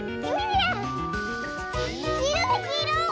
きいろだきいろ！